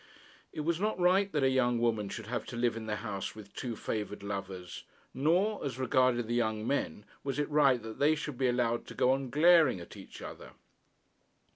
It was not right that a young woman should have to live in the house with two favoured lovers; nor, as regarded the young men, was it right that they should be allowed to go on glaring at each other.